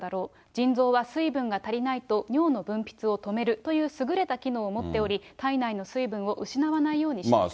腎臓は水分が足りないと尿の分泌を止めるというすぐれた機能を持っており、体内の水分を失わないようにすると。